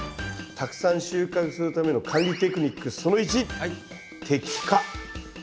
たくさん収穫するための管理テクニック「てきか」？